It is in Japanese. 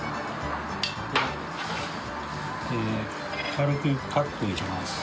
軽くカットを入れます。